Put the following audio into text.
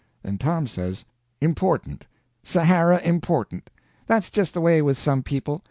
Then Tom says: "Important! Sahara important! That's just the way with some people.